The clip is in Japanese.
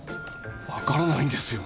わからないんですよ。